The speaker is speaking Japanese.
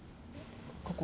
ここ。